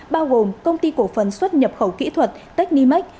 bao gồm công ty cổ phần xuất nhập khẩu kỹ thuật technimec